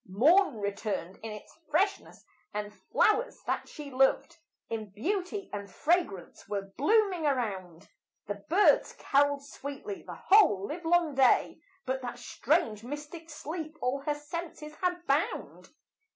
Morn returned in its freshness, and flowers that she loved In beauty and fragrance were blooming around; The birds caroled sweetly the whole live long day, But that strange mystic sleep all her senses had bound.